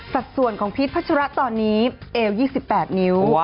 ส่วนของพีชพัชระตอนนี้เอว๒๘นิ้ว